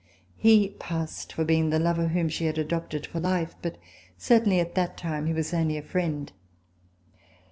He passed for being the lover whom she had adopted for life, but certainly at that time he was only a Iriend.